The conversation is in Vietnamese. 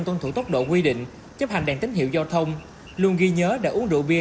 tuân thủ tốc độ quy định chấp hành đèn tín hiệu giao thông luôn ghi nhớ đã uống rượu bia